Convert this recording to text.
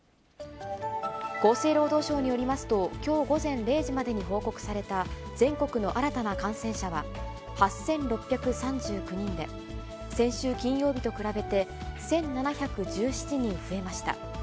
厚生労働省によりますと、きょう午前０時までに報告された全国の新たな感染者は８６３９人で、先週金曜日と比べて、１７１７人増えました。